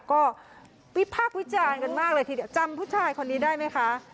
ก็วิพากษ์วิจารณ์กันมากเลยทีเดียวจำผู้ชายคนนี้ได้ไหมคะ